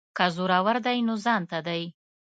که زورور دی نو ځانته دی.